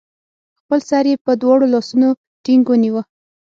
خپل سر يې په دواړو لاسونو ټينګ ونيوه